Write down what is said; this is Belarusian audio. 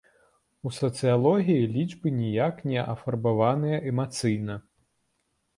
У сацыялогіі лічбы ніяк не афарбаваныя эмацыйна.